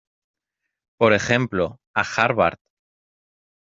por ejemplo, a Harvard.